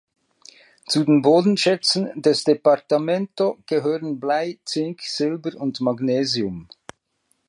Zu den Bodenschätzen des Departamento gehören Blei, Zink, Silber und Magnesium.